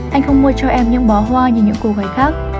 anh không mua cho em những bó hoa như những cô gái khác